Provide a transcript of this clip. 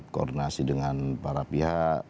koordinasi dengan para pihak